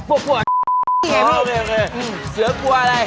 โอเคเสือกลัวอะไร